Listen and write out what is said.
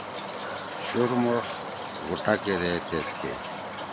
شُورمُخ غوٹا کیدے تیس کھیئی۔